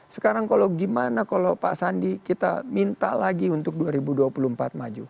sekarang kalau gimana kalau pak sandi kita minta lagi untuk dua ribu dua puluh empat maju